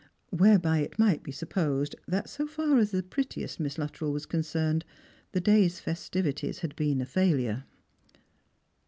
Whereby it might be supposed that, so far as the prettiest Miss Luttrell was concerned, the day's festivities had been a failure.